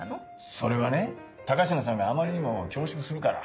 それはね高階さんがあまりにも恐縮するから。